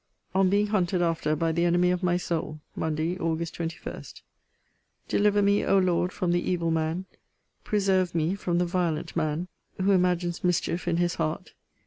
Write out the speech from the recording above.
ON BEING HUNTED AFTER BY THE ENEMY OF MY SOUL. MONDAY, AUG. 21. Deliver me, O Lord, from the evil man. Preserve me from the violent man. Who imagines mischief in his heart.